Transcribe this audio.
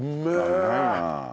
うまいなあ。